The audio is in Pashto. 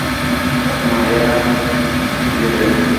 مایعات کتلې لري.